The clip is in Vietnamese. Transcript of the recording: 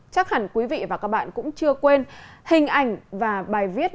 chắc hẳn quý vị và các bạn cũng chưa quên hình ảnh và bài viết